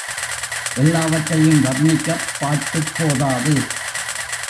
எல்லாவற்றையும் வர்ணிக்கப் பாட்டுப் போதாது.